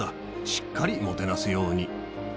しっかりもてなすように。